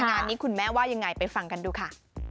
งานนี้คุณแม่ว่ายังไงไปฟังกันดูค่ะ